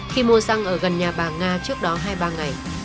khi mua xăng ở gần nhà bà nga trước đó hai ba ngày